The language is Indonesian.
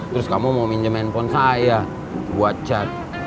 terus kamu mau minjem handphone saya buat cat